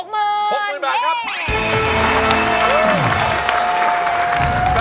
๖๐๐๐๐บาทครับ